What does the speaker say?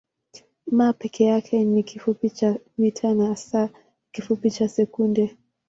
m peke yake ni kifupi cha mita na s ni kifupi cha sekunde.